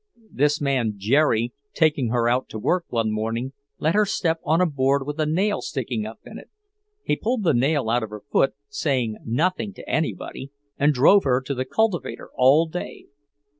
This man Jerry, taking her out to work one morning, let her step on a board with a nail sticking up in it. He pulled the nail out of her foot, said nothing to anybody, and drove her to the cultivator all day.